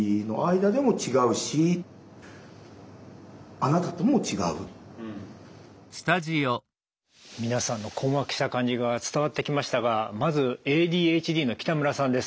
僕は何か知らないけど皆さんの困惑した感じが伝わってきましたがまずＡＤＨＤの北村さんです。